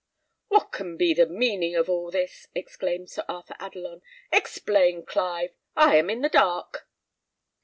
"What can be the meaning of all this?" exclaimed Sir Arthur Adelon. "Explain, Clive: I am in the dark."